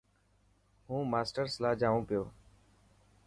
هون ماشرس لاءِ جائون پيو.